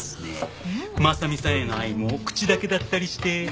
真実さんへの愛も口だけだったりして。